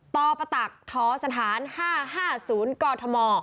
ตอปะตักท้อสถาน๕๕๐กทม